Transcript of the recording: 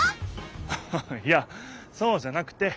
ハハハいやそうじゃなくて